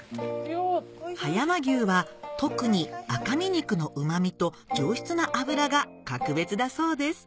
葉山牛は特に赤身肉のうま味と上質な脂が格別だそうです